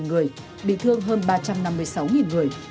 một mươi ba người bị thương hơn ba trăm năm mươi sáu người